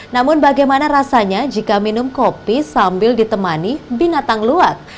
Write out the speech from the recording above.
namun bagaimana rasanya jika minum kopi sambil ditemani binatang luwak